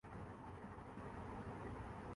گنو سب حسرتیں جو خوں ہوئی ہیں تن کے مقتل میں